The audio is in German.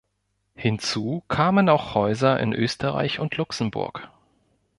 Hinzu kamen auch Häuser in Österreich und Luxemburg.